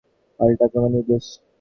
পাল্টা আক্রমণের নির্দেশ।